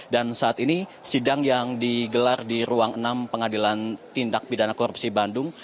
dan saat ini sidang yang digelar di ruang enam pengadilan tindak bidana korupsi bandung